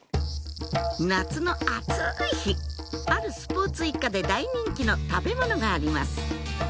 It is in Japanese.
夏の暑い日あるスポーツ一家で大人気の食べ物があります